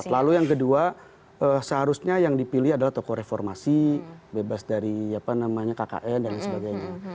lalu yang kedua seharusnya yang dipilih adalah tokoh reformasi bebas dari kkn dan lain sebagainya